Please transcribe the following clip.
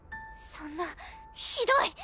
そんなひどい！